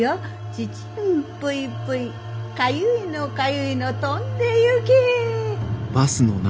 ちちんぷいぷいかゆいのかゆいの飛んでゆけ。